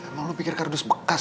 emang lo pikir kardus bekas